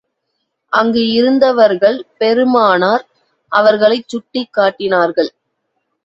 அங்கு இருந்தவர்கள், பெருமானார் அவர்களைச் சுட்டிக் காட்டினார்கள்.